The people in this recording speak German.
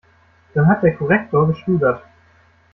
Dann hat der Korrektor geschludert.